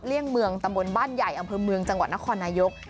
เลี่ยงเมืองตำบลบ้านใหญ่อำเภอเมืองจังหวัดนครนายก